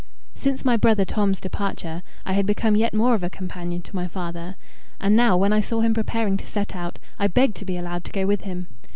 Since my brother Tom's departure, I had become yet more of a companion to my father; and now when I saw him preparing to set out, I begged to be allowed to go with him.